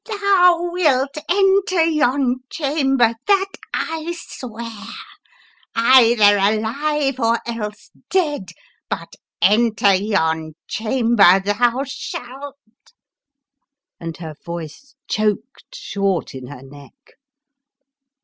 " Thou wilt enter yon chamber, that I swear, either alive or else dead ! but enter yon chamber thou shalt! " and her voice choked short in her neck.